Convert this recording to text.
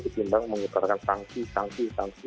kecimbang mengutarkan sanksi sanksi sanksi